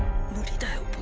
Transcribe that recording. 無理だよ